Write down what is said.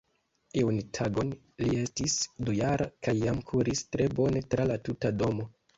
Iun tagon li estis dujara kaj jam kuris tre bone tra la tuta domo.